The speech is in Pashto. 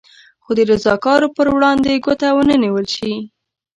خو د رضاکارو پر وړاندې ګوته ونه نېول شي.